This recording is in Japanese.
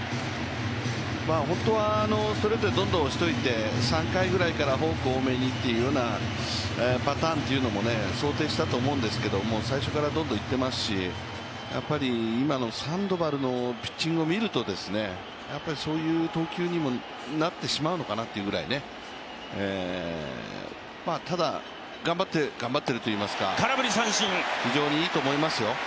本当はストレートでどんどん押しておいて、３回ぐらいからフォーク多めにというパターンというのも想定したと思うんですけれども、最初からどんどんいってますしやっぱり今のサンドバルのピッチングを見るとそういう投球にもなってしまうのかなというぐらい、ただ、頑張ってるといいますか非常にいいと思いますよ。